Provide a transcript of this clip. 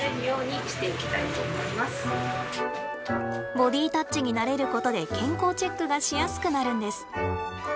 ボディータッチに慣れることで健康チェックがしやすくなるんです。